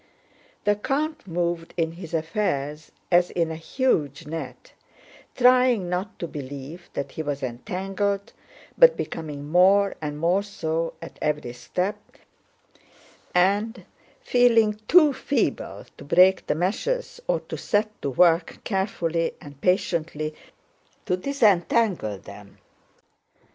The count moved in his affairs as in a huge net, trying not to believe that he was entangled but becoming more and more so at every step, and feeling too feeble to break the meshes or to set to work carefully and patiently to disentangle them.